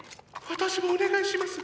私もお願いします！